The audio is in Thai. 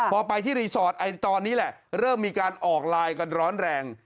พอไปที่รีสอร์ทตอนนี้แหละเริ่มมีการออกไลน์กันร้อนแรง